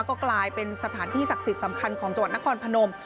ก็กลายเป็นสถานที่ศักดิ์สิทธิ์สำคัญของจังหวัดนครพนม